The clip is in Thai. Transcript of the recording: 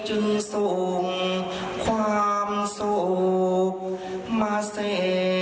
ก็ยืนสิทธิ์อำนาจภาคมาให้